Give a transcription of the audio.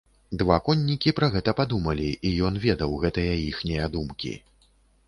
Два коннікі пра гэта падумалі, і ён ведаў гэтыя іхнія думкі.